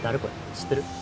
知ってる？